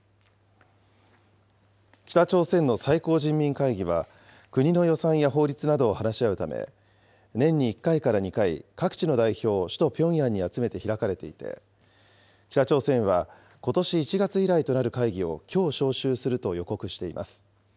北朝鮮の最高人民会議は、国の予算や法律などを話し合うため、年に１回から２回、各地の代表を首都ピョンヤンに集めて開かれていて、北朝鮮はことし１月以来となる会議をきょう招集すると予告しています。